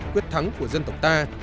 quyết thắng của dân tộc ta